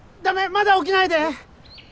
まだ起きないで！